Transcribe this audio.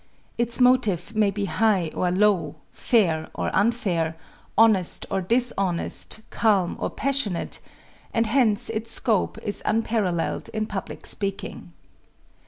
_ Its motive may be high or low, fair or unfair, honest or dishonest, calm or passionate, and hence its scope is unparalleled in public speaking.